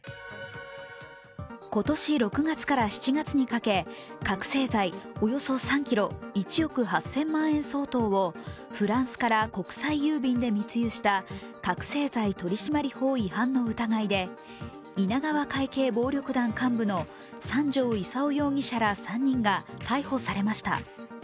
今年６月から７月にかけ覚醒剤およそ３ｋｇ、１億８００万円相当をフランスから国際郵便で密輸した覚醒剤取締法違反の疑いで稲川会系暴力団幹部の三條功容疑者ら３人が逮捕されました。